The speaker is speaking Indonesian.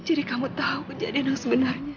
jadi kamu tahu kejadian yang sebenarnya